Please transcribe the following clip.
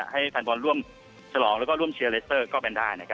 ให้แฟนบอลร่วมฉลองแล้วก็ร่วมเชียร์เลสเตอร์ก็เป็นได้